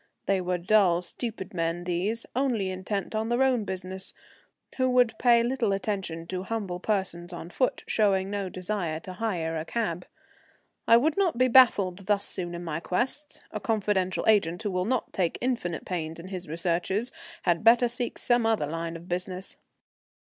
They were dull, stupid men, these, only intent on their own business, who would pay little attention to humble persons on foot showing no desire to hire a cab. I would not be baffled thus soon in my quest. A confidential agent who will not take infinite pains in his researches had better seek some other line of business.